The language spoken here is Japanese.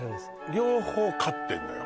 両方勝ってんのよ